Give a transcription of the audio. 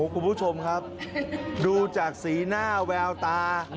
คุณผู้ชมครับดูจากสีหน้าแววตา